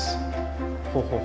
ほうほう